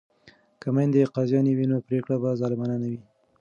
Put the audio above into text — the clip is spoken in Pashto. که میندې قاضیانې وي نو پریکړې به ظالمانه نه وي.